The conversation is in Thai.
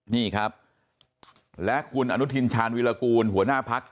นี่ครับและคุณอนุทินชาญวิรากูลหัวหน้าพัก